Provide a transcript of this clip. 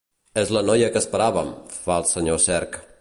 És la noia que esperàvem, fa el senyor Cerc.